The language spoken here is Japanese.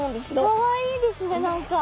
かわいいですね何か。